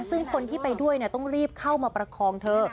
ซึ่งคนที่ไปด้วยต้องรีบเข้ามาประคองเธอ